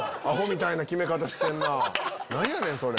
アホみたいな決め方してんなぁ何やねん！